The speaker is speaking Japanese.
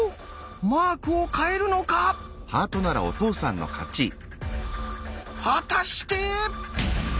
マークを変えるのか⁉果たして！